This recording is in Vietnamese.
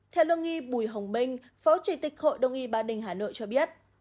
theo lương nghi bùi hồng minh phó trị tịch hội đông y ba đình hà nội cho biết